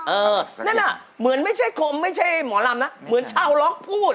เออนั่นอ่ะเหมือนไม่ใช่คมไม่ใช่หมอลำนะเหมือนชาวล็อกพูด